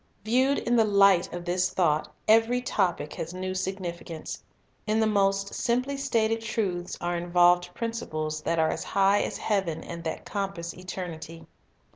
Viewed in the light of this thought, every topic has a new significance. In the most simply stated truths are involved principles that are as high as heaven and that compass eternity.